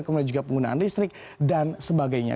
kemudian juga penggunaan listrik dan sebagainya